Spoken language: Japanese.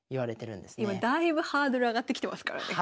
今だいぶハードル上がってきてますからね。